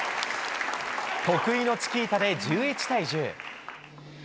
得意のチキータで１１対１０。